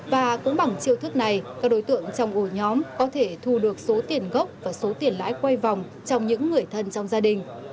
và cũng bằng chiêu thức này các đối tượng trong ổ nhóm có thể thu được số tiền gốc và số tiền lãi quay vòng trong những người thân trong gia đình